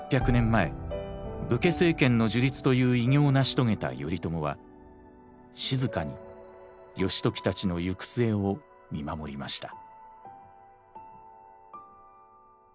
前武家政権の樹立という偉業を成し遂げた頼朝は静かに義時たちの行く末を見守りました。